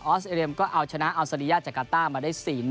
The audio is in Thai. สเอเรียมก็เอาชนะอัลซารียาจากาต้ามาได้๔๑